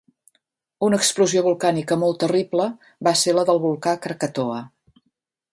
Una explosió volcànica molt terrible, va ser la del volcà Krakatoa.